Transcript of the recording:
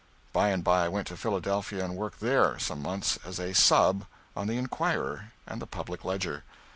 By and by I went to Philadelphia and worked there some months as a "sub" on the "Inquirer" and the "Public Ledger."